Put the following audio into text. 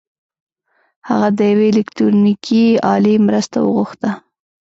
هغه د يوې الکټرونيکي الې مرسته وغوښته.